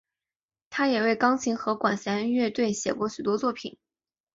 他也为钢琴和管弦乐队写过许多作品。